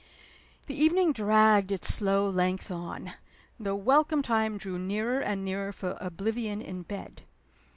The evening dragged its slow length on; the welcome time drew nearer and nearer for oblivion in bed.